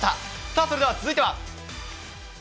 さあ、それでは続いては。